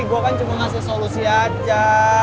ibu kan cuma ngasih solusi aja